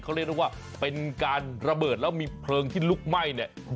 เขาเรียกได้ว่าเป็นการระเบิดแล้วมีเพลิงที่ลุกไหม้เนี่ย